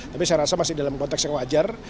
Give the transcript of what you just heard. tapi saya rasa masih dalam konteks yang wajar